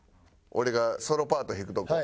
俺がソロパート弾くとこ。